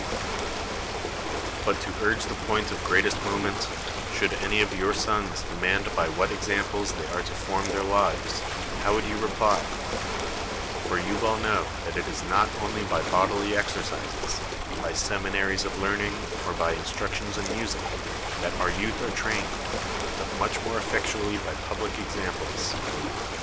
228 ^SCHINES But to urge the point of greatest moment: should any of your sons demand by what exam ples they are to form their lives, how would you reply 1 For you well know that it is not only by bodily exercises, by seminaries of learning, or by instructions in music, that our youth are trained, but much more effectually by public examples.